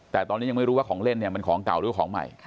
แต่ตอนนี้ยังไม่รู้ว่าของเล่นเนี่ยมันของเก่าหรือของใหม่